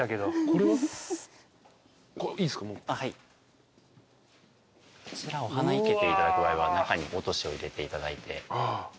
こちらお花生けていただく場合は中に落としを入れていただいて。